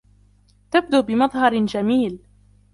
تبدو بمظهر جميل